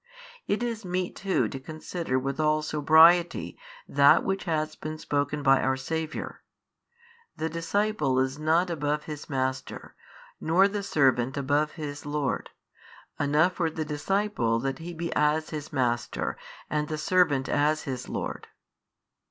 It is meet too to consider with all sobriety that which has been spoken by our Saviour, The disciple is not above his master, nor the servant above his lord: enough for the disciple that he be as his master and the servant as his lord.